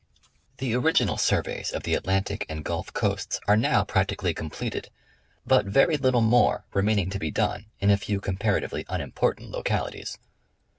The original surveys of the Atlantic and Gulf coasts are now practically completed, but very little more remaining to be done in a few comparatively unimportant localities.